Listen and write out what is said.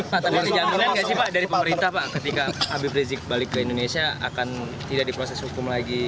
pak tapi ada jaminan nggak sih pak dari pemerintah pak ketika habib rizik balik ke indonesia akan tidak diproses hukum lagi